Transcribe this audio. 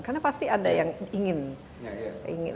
karena pasti ada yang ingin